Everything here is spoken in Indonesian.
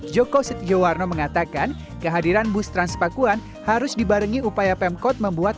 joko setiowarno mengatakan kehadiran bus transpakuan harus dibarengi upaya pemkot membuat